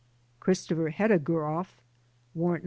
Christopher Hetaguroff (Warrant No.